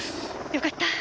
よかった。